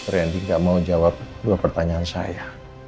ren ibu nggak mau jawab dua pertanyaan saya